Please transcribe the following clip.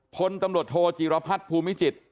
พลตำรวจโทจีรพัฒน์ภูมิจิตร